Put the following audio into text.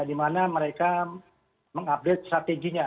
di mana mereka mengupdate strateginya